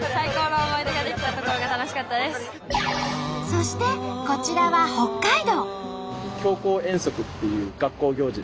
そしてこちらは北海道。